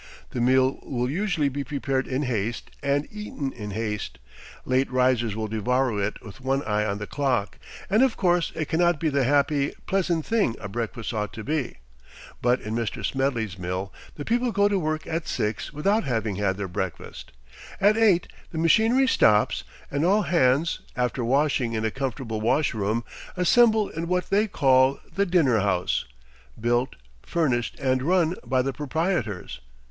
The meal will usually be prepared in haste and eaten in haste; late risers will devour it with one eye on the clock; and of course it cannot be the happy, pleasant thing a breakfast ought to be. But in Mr. Smedley's mill the people go to work at six without having had their breakfast. At eight the machinery stops, and all hands, after washing in a comfortable wash room, assemble in what they call the dinner house, built, furnished, and run by the proprietors.